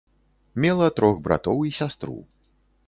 Мела трох братоў і сястру.